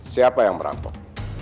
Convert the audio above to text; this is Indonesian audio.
siapa yang merampok